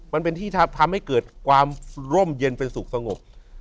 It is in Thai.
มันเป็นที่ทำให้เกิดความร่มเย็นเป็นสุขสงบ